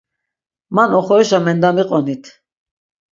Man oxorişa mendamiqonit.